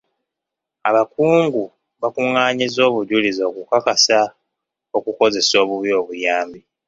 Abakungu bakungaanyizza obujulizi okukakasa okukozesa obubi obuyambi.